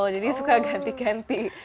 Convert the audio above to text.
jadi suka ganti ganti